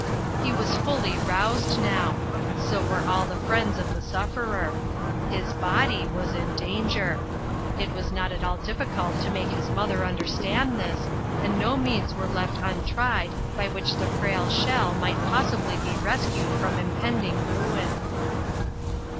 He was fully roused now ; so were all the friends of the sufferer ; his body was in danger. It was not at all difficult to make his mother understand this, and no means were left untried by which the frail shell might possibly be rescued from im pending ruin.